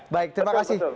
baik terima kasih